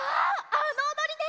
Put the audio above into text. あのおどりね！